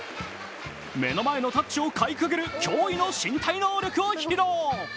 目の前のタッチをかいくぐる驚異の身体能力を披露。